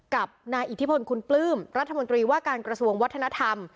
กับนายอิทธิพลคุณปลื้มรัฐมนตรีว่าการกระทรวงวัฒนธรรม